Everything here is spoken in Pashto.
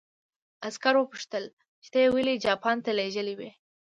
عسکر وپوښتل چې ته یې ولې جاپان ته لېږلی وې